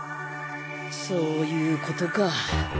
そういうことか。